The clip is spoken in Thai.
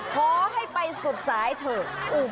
เพราะให้ไปสดสายเถอะ